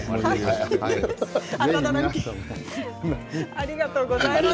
ありがとうございます。